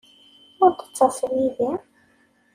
Ur d-tettaseḍ yid-i?